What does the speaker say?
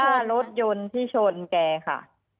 ว่ารถยนต์ที่ชนแกค่ะ